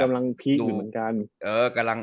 กำลังพีคอยู่เหมือนกัน